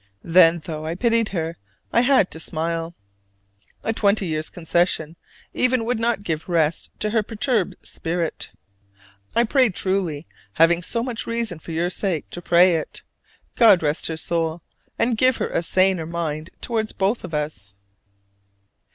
Then though I pitied her, I had to smile. A twenty years' concession even would not give rest to her perturbed spirit. I pray truly having so much reason for your sake to pray it "God rest her soul! and give her a saner mind toward both of us."